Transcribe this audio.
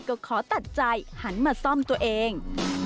ก็ขอตัดใจหันมาซ่อมตัวเอง